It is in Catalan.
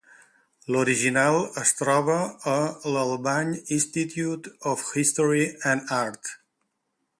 L'original es troba a l'Albany Institute of History and Art.